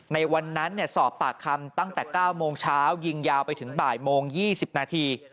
ในวันนั้นสอบปากคำตั้งแต่๙โมงเช้ายิงยาวไปถึงบ่ายโมง๒๐นาที